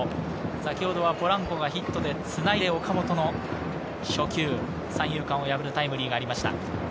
先ほどはポランコがヒットでつないで、岡本の初球、三遊間を破るタイムリーがありました。